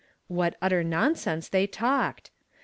what utter nonsense they talked!